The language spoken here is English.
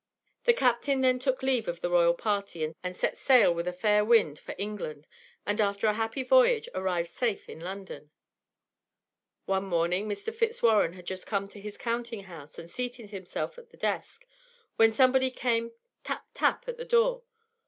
The captain then took leave of the royal party, and set sail with a fair wind for England, and after a happy voyage arrived safe in London. One morning Mr. Fitzwarren had just come to his counting house and seated himself at the desk, when somebody came tap, tap, at the door.